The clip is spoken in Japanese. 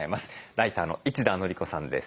ライターの一田憲子さんです。